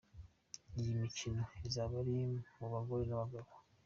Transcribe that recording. Iyi mikino izaba ari mu bagore n’abagabo.